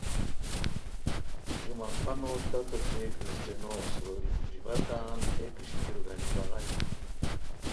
جمعہ خانو تت اوچے کریسٹینوس روئے ژیباکان ہے کشتیو گانی بغانی